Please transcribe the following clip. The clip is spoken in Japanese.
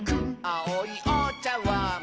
「あおいおちゃわん」